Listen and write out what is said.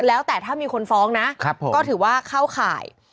แล้วแต่ถ้ามีคนฟ้องนะก็ถือว่าเข้าข่าย